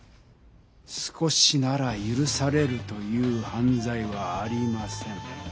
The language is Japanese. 少しならゆるされるというはんざいはありません。